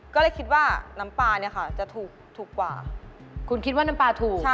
คุณคิดว่าน้ำปลาถูกแต่อันนี้๑๕๐๐มิลลิตร